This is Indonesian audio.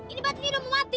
ini batin ini udah mau mati